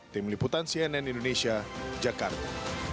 tim liputan cnn indonesia jakarta